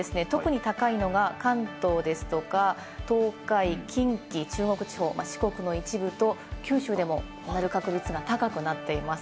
特に高いのが関東ですとか、東海、近畿、中国地方、四国の一部と九州でも鳴る確率が高くなっています。